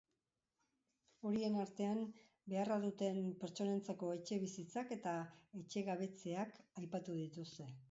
Horien artean, beharra duten pertsonentzako etxebizitzak eta etxegabetzeak aipatu dituzte.